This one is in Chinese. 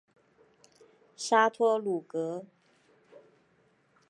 沙托鲁格。